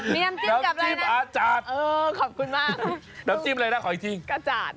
มีน้ำจิ้มกับเลยนะขอบคุณมากน้ำจิ้มอะไรนะขออีกทีน้ำจิ้มอาจารย์